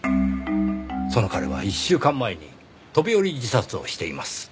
その彼は１週間前に飛び降り自殺をしています。